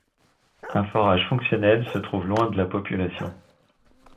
Un forage fonctionnel se trouve loin de la population.